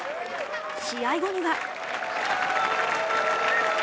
試合後には。